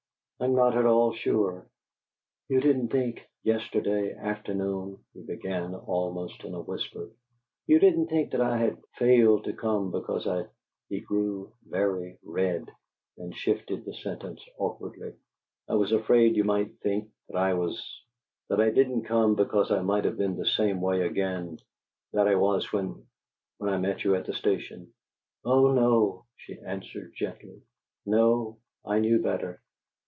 "I'm not at all sure." "You didn't think, yesterday afternoon," he began, almost in a whisper, "you didn't think that I had failed to come because I " He grew very red, and shifted the sentence awkwardly: "I was afraid you might think that I was that I didn't come because I might have been the same way again that I was when when I met you at the station?" "Oh no!" she answered, gently. "No. I knew better."